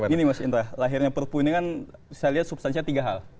gini mas indra lahirnya perpu ini kan saya lihat substansinya tiga hal